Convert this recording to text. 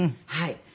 はい。